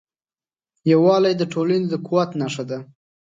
یووالی د ټولنې د قوت نښه ده.